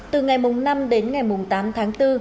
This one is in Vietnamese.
từ ngày năm đến ngày tám tháng bốn